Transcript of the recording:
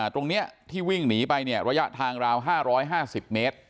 ตรงเนี้ยที่วิ่งหนีไปเนี่ยระยะทางราวห้าร้อยห้าสิบเมตร